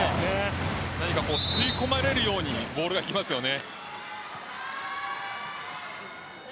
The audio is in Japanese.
なにか吸い込まれるようにボールがきますよね。